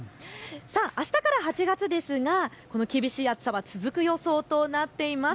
あしたから８月ですが厳しい暑さ、続く予想となっています。